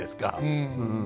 うん。